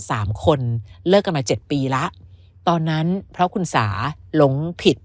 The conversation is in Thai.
สามคนเลิกกันมาเจ็ดปีแล้วตอนนั้นเพราะคุณสาหลงผิด